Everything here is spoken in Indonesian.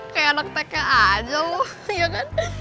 kayak anak teka aja lo ya kan